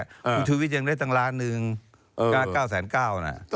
คุณชูวิทย์ยังได้ตั้งล้านหนึ่ง๙๙๐๐นะ